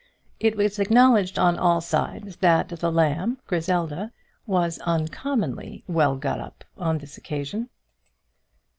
It was acknowledged on all sides that the Lamb, Griselda, was uncommonly well got up on this occasion.